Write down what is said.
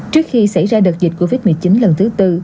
trước khi xảy ra đợt dịch covid một mươi chín lần thứ tư